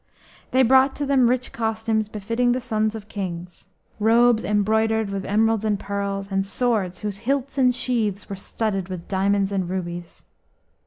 They brought to them rich costumes befitting the sons of kings: robes embroidered with emeralds and pearls, and swords whose hilts and sheaths were studded with diamonds and rubies.